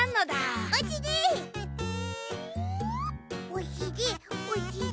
おしりおしり！